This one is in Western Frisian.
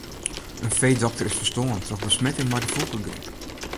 In feedokter is ferstoarn troch besmetting mei de fûgelgryp.